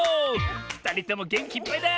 ふたりともげんきいっぱいだ！